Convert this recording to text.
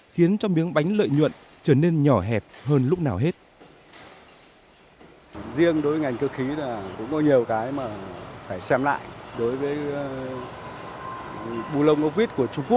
khiến cho miếng bánh lợi nhuận trở nên nhỏ hẹp hơn lúc nào hết